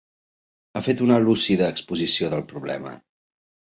Ha fet una lúcida exposició del problema.